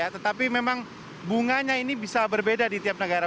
tetapi memang bunganya ini bisa berbeda di tiap negara